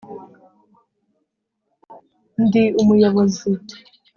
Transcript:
ndi umuyobozi,